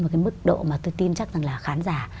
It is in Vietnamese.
một cái mức độ mà tôi tin chắc rằng là khán giả